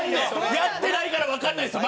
やってないからわかんないんですよ